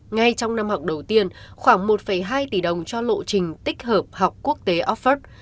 ngay trong năm học đầu tiên khoảng một hai tỷ đồng cho lộ trình tích hợp học quốc tế offord